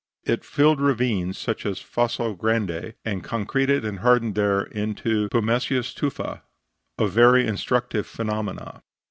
It filled ravines, such as Fosso Grande, and concreted and hardened there into pumiceous tufa a very instructive phenomenon.